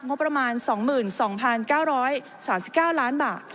ความประมาณสองหมื่นสองพันเก้าร้อยสามสิบเก้าล้านบาท